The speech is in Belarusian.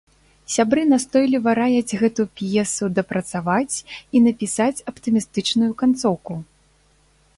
Сябры настойліва раяць гэту п'есу дапрацаваць і напісаць аптымістычную канцоўку.